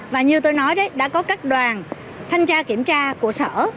và như tôi nói đấy đã có các đoàn thanh tra kiểm tra của sở